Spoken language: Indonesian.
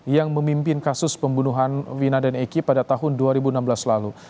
yang memimpin kasus pembunuhan wina dan eki pada tahun dua ribu enam belas lalu